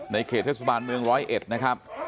ในเขตเทศบาลเมือง๑๐๑นะครับ